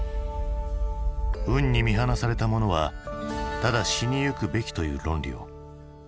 運に見放された者はただ死にゆくべきという論理を。